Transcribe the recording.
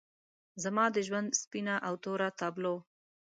زما د ژوند سپینه او توره تابلو